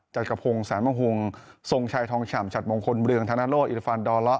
จัดกระพงสารมหุงทรงชัยทองฉ่ำชัดมงคลเบลืองธนโลอิริฟันดอลละ